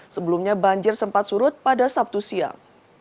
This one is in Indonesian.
sebelumnya banjir sempat surut pada sabtu siang